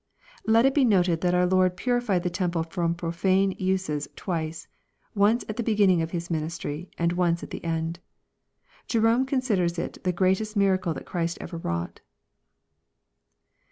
] Let it be noted, that our Lord puri fied the temple from profane uses twice, once at the beginning of His ministry and once at the end. Jerome considers it the greatr est miracle that Christ ever wrought.